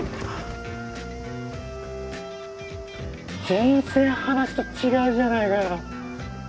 全然話と違うじゃないかよ。